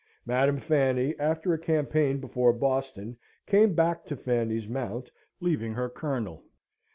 Madam Fanny, after a campaign before Boston, came back to Fanny's Mount, leaving her Colonel.